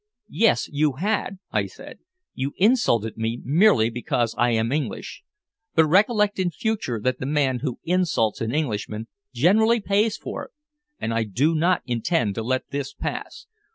"Yes, you had!" I said. "You insulted me merely because I am English. But recollect in future that the man who insults an Englishman generally pays for it, and I do not intend to let this pass.